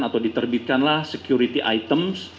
atau diterbitkanlah security item